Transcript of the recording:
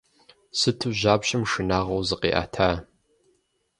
Сыту жьапщэм шынагъуэу зыкъиӏэта!